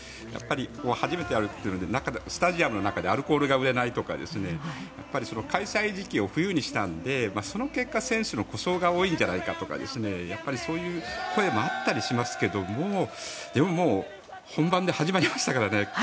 初めてやるというのでスタジアムの中でアルコールが売れないとか開催時期を冬にしたのでその結果、選手の故障が多いんじゃないかとかやっぱりそういう声もあったりしますけどでも、本番で始まりましたからね。